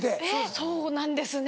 そうなんですね。